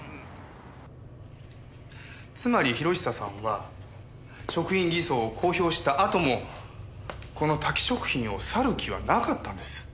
つまり博久さんは食品偽装を公表したあともこのタキ食品を去る気はなかったんです。